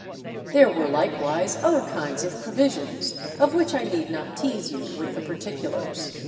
There were likewise other kinds of provisions of which I need not tease you with the particulars.